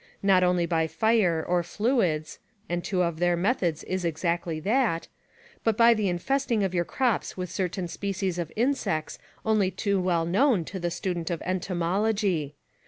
Not only by fire, or fluids (and two of their methods is exactly that) ; but by the infesting of your crops with certain species of insects only too well known to the student of entom ology.